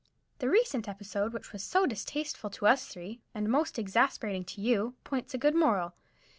The recent episode which was so distasteful to us three, and most exasperating to you, points a good moral.